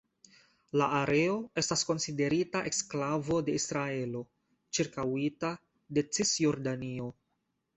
La areo estas konsiderita eksklavo de Israelo, ĉirkaŭita de Cisjordanio.